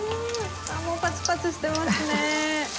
もうパチパチしてますね。